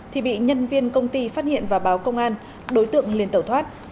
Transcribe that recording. thì bị nhân viên công ty phát hiện và báo công an đối tượng liên tẩu thoát